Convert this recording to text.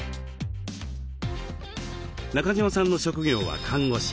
中島さんの職業は看護師。